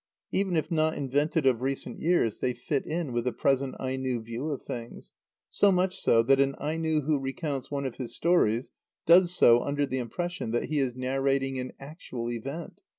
Even if not invented of recent years they fit in with the present Aino view of things, so much so, that an Aino who recounts one of his stories does so under the impression that he is narrating an actual event.